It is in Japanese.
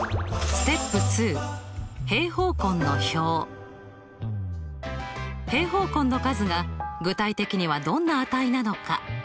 平方根の数が具体的にはどんな値なのか？